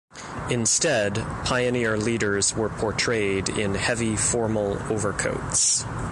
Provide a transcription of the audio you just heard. Instead, pioneer leaders were portrayed in heavy formal overcoats.